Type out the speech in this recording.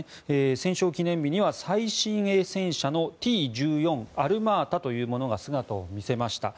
戦勝記念日には最新鋭戦車のＴ１４アルマータというものが姿を見せました。